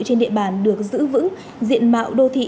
trên địa bàn được giữ vững diện mạo đô thị